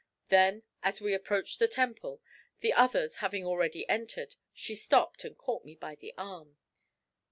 Then as we approached the Temple, the others having already entered, she stopped and caught me by the arm.